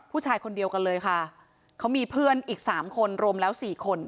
ผู้ชายคนเดียวกันเลยค่ะเขามีเพื่อนอีกสามคนรวมแล้วสี่คน